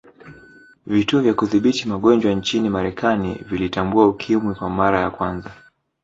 vituo vya Kudhibiti magonjwa nchini marekani vilitambua ukimwi kwa mara ya kwanza